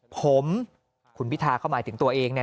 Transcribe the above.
ผมคุณพิทาตร์เข้ามาถึงตัวเอง